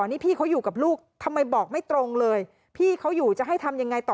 นี่พี่เขาอยู่กับลูกทำไมบอกไม่ตรงเลยพี่เขาอยู่จะให้ทำยังไงต่อ